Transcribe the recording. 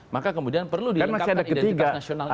maka kemudian perlu dilengkapkan identitas nasional